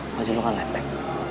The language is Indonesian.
wajah lo kan lembek